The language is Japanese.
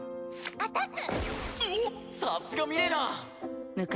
アタック！